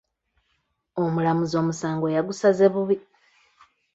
Omulamuzi omusanago yagusaze bubi.